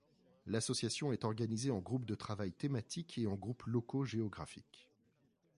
L’association est organisée en groupes de travail thématiques et en groupes locaux géographiques.